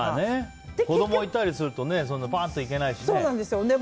子供いたりするとパッと行けないしね。